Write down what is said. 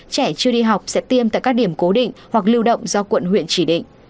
trẻ chưa đi học sẽ tiêm tại các điểm cố định hoặc lưu động do quận huyện chỉ định